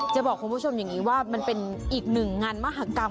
จะบอกคุณผู้ชมอย่างนี้ว่ามันเป็นอีกหนึ่งงานมหากรรม